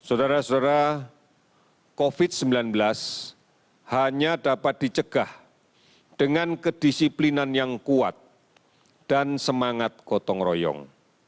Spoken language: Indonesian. saudara saudara covid sembilan belas hanya dapat dicegah dengan kedisiplinan yang kuat dan semangat gotong royong